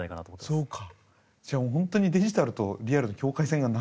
そうか。